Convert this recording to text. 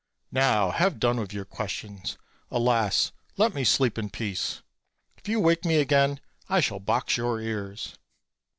Now have done with your questions, alxl let me sleep in peace; if you wake me again I shall box your ears."